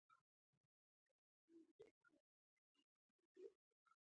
ژوندي د خیر نیت کوي